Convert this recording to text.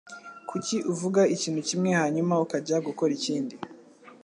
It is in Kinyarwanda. Kuki uvuga ikintu kimwe hanyuma ukajya gukora ikindi?